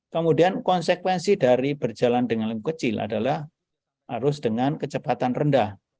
kemudian konsekuensi dari berjalan dengan lengku kecil adalah harus dengan kecepatan rendah